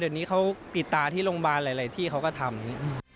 เดี๋ยวนี้เขาปิดตาที่โรงพยาบาลหลายที่เขาก็ทำอย่างนี้